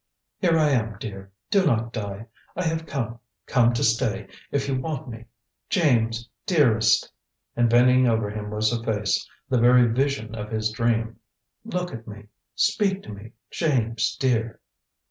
"Here I am, dear. Do not die! I have come come to stay, if you want me, James, dearest!" And bending over him was a face the very Vision of his dream. "Look at me, speak to me, James, dear!"